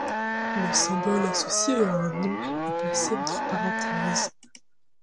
Le symbole associé à un nom est placé entre parenthèses.